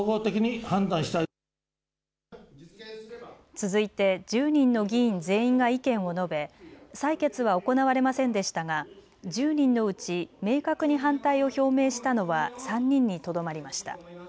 続いて１０人の議員全員が意見を述べ採決は行われませんでしたが１０人のうち明確に反対を表明したのは３人にとどまりました。